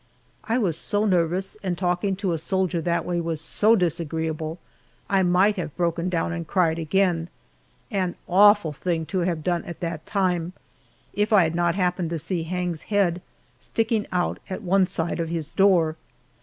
I was so nervous, and talking to a soldier that way was so very disagreeable, I might have broken down and cried again an awful thing to have done at that time if I had not happened to have seen Hang's head sticking out at one side of his door.